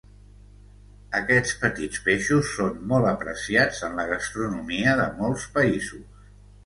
Aquests petits peixos són molt apreciats en la gastronomia de molts països.